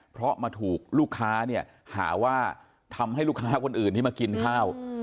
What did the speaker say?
เพราะมาถูกลูกค้าเนี่ยหาว่าทำให้ลูกค้าคนอื่นที่มากินข้าว